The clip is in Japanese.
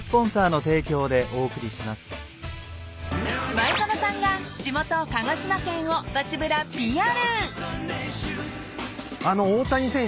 ［前園さんが地元鹿児島県を街ぶらＰＲ］